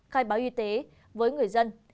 khai báo y tế với người dân